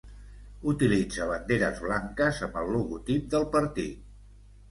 Utilitza banderes blanques amb el logotip del partit.